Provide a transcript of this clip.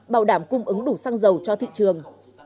bảo đảm cung ứng đủ xăng dầu cho thị trường